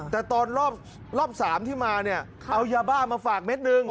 แต่ตอนรอบ๓ที่มาเนี่ยเอายาบ้ามาฝากเม็ดนึง